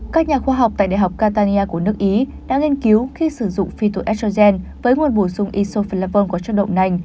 các nhà khoa học tại đại học catania của nước ý đã nghiên cứu khi sử dụng phyto estrogen với nguồn bổ sung isoflavone có chất động nành